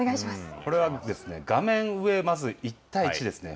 これは画面上、まず１対１ですね。